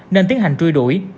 nên tiến hành trui đuổi